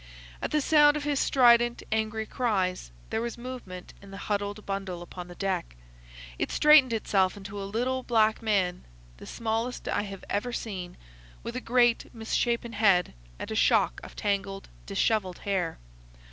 At the sound of his strident, angry cries there was movement in the huddled bundle upon the deck. It straightened itself into a little black man—the smallest I have ever seen—with a great, misshapen head and a shock of tangled, dishevelled hair.